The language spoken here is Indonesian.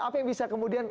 apa yang bisa kemudian